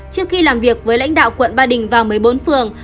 trước khi làm việc với lãnh đạo quận ba đình và một mươi bốn phường